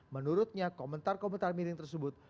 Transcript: menurutnya komentar komentar miring tersebut